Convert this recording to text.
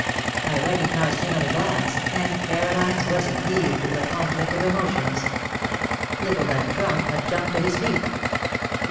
I recognized him at a glance, and Caroline's bosom heaved with a conflict of emotions. Little Van Tromp had jumped to his feet.